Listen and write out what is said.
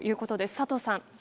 佐藤さん。